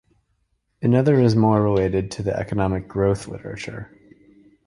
Another is more related to the economic growth literature.